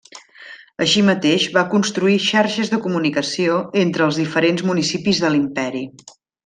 Així mateix, va construir xarxes de comunicació entre els diferents municipis de l'imperi.